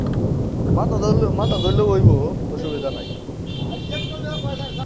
The worship of trees is naturally older than the worship of the cereals.